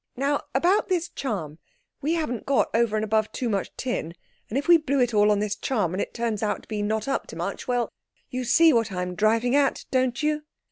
Now, about this charm—we haven't got over and above too much tin, and if we blue it all on this charm and it turns out to be not up to much—well—you see what I'm driving at, don't you?"